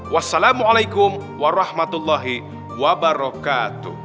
wassalamualaikum warahmatullahi wabarakatuh